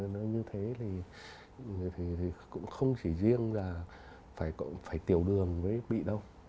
nó như thế thì cũng không chỉ riêng là phải tiểu đường mới bị đâu